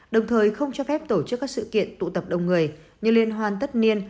đồng thời không cho phép tổ chức các sự kiện tụ tập đồng người như liên hoàn tất niên